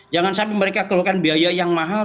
jangan sampai mereka keluarkan biaya yang mahal